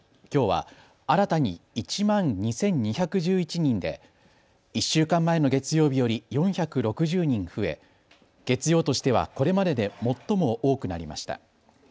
きょうは新たに１万２２１１人で１週間前の月曜日より４６０人増え月曜としてはこれまでで最も多くなりました。